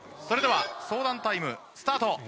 それでは相談タイムスタート。